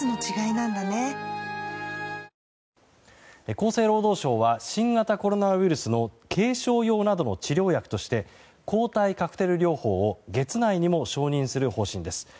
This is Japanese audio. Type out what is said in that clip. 厚生労働省は新型コロナウイルスの軽症用などの治療薬として抗体カクテル療法を月内にも承認する方針です。